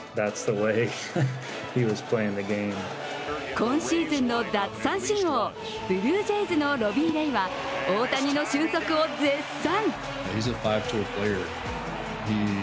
今シーズンの奪三振王、ブルージェイズのロビー・レイは大谷の俊足を絶賛。